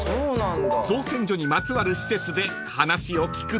［造船所にまつわる施設で話を聞くと］